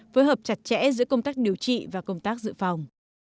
phối hợp chặt chẽ giữa công tác điều trị và công tác dự phòng